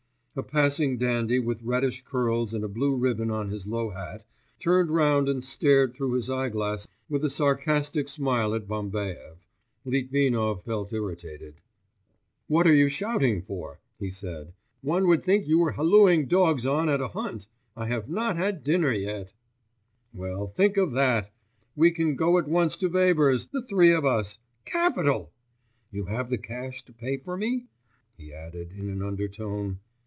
A passing dandy with reddish curls and a blue ribbon on his low hat, turned round and stared through his eyeglass with a sarcastic smile at Bambaev. Litvinov felt irritated. 'What are you shouting for?' he said; 'one would think you were hallooing dogs on at a hunt! I have not had dinner yet.' 'Well, think of that! we can go at once to Weber's ... the three of us ... capital! You have the cash to pay for me?' he added in an undertone.